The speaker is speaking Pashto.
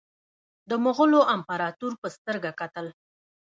د مغولو امپراطور په سترګه کتل.